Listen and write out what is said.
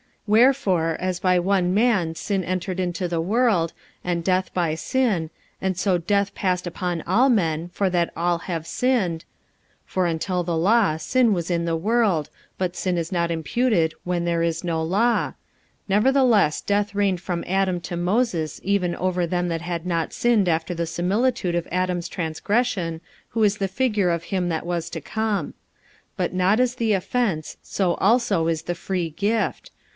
45:005:012 Wherefore, as by one man sin entered into the world, and death by sin; and so death passed upon all men, for that all have sinned: 45:005:013 (For until the law sin was in the world: but sin is not imputed when there is no law. 45:005:014 Nevertheless death reigned from Adam to Moses, even over them that had not sinned after the similitude of Adam's transgression, who is the figure of him that was to come. 45:005:015 But not as the offence, so also is the free gift.